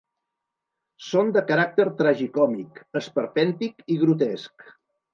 Són de caràcter tragicòmic, esperpèntic i grotesc.